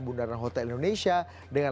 bundaran hotel indonesia dengan